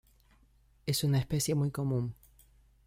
Es una especie muy común.